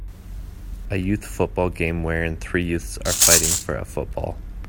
A youth football game wherein three youths are fighting for a football.